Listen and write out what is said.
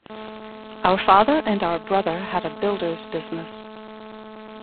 Our father and our brother had a builder's business.